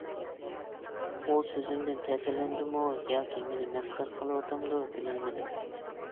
ئۇ سۆزۈمدىن تەسىرلەندىمۇ ياكى مېنى مەسخىرە قىلىۋاتامدۇ بىلەلمىدىم.